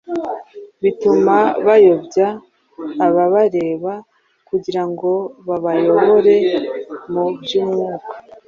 bituma bayobya ababareba kugira ngo babayobore no mu by’Umwuka.